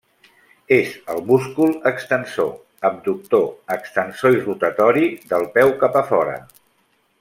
És el múscul extensor, abductor, extensor i rotatori del peu cap a fora.